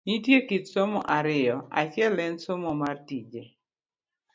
Nitie kit somo ariyo, achiel en somo mar tije